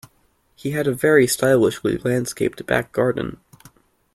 He had a very stylishly landscaped back garden